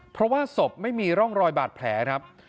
เพราะว่าศพไม่มีร่องรอยบาดแผลครับ